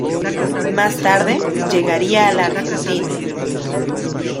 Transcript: Más tarde llegaría a la Argentina.